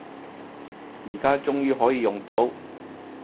而家終於可以用到